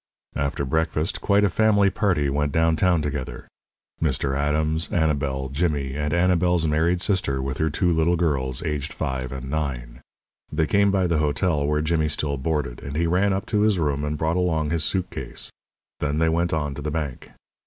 After breakfast quite a family party went downtown together Mr. Adams, Annabel, Jimmy, and Annabel's married sister with her two little girls, aged five and nine. They came by the hotel where Jimmy still boarded, and he ran up to his room and brought along his suit case. Then they went on to the bank.